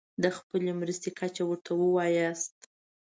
د خپلې مرستې کچه ورته ووایاست.